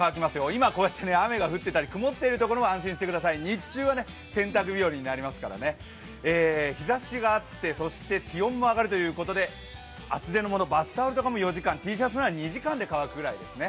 今こうやって雨が降っていたり曇っている所も安心してください、日中は洗濯日和になりますからね、日ざしがあって気温も上がるということで厚手のもの、バスタオルは４時間、Ｔシャツなら２時間で乾くくらいですね。